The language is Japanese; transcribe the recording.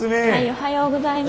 おはようございます。